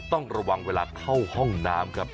ต้องระวังเวลาเข้าห้องน้ำครับ